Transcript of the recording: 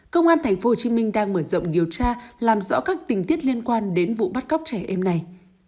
công an tp hcm đang mở rộng điều tra làm rõ các tình tiết liên quan đến vụ bắt cóc trẻ em này